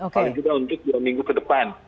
paling juga untuk dua minggu ke depan